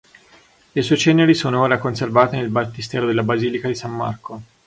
Le sue ceneri sono ora conservate nel battistero della basilica di San Marco.